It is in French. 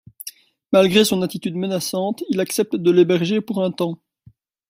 Malgré son attitude menaçante, il accepte de l'héberger pour un temps.